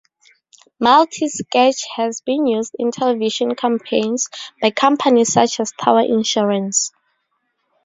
Multi-sketch has been used in television campaigns by companies such as Tower Insurance.